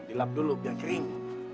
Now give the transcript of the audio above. dilap dulu biar kering